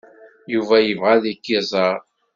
Yuba yebɣa ad k-iẓer.